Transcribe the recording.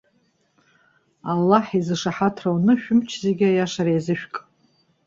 Аллаҳ изы шаҳаҭра уны, шәымч зегьы аиашара иазышәк.